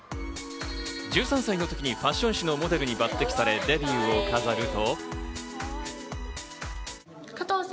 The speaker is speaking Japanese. １３歳の時にファッション誌のモデルに抜擢されデビューを飾ると。